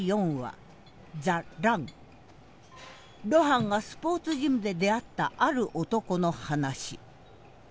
露伴がスポーツジムで出会ったある男の話。